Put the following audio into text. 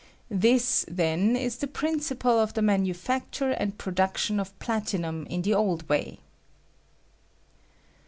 This, then, is the principle of the manu facture and production of platinum in the old way.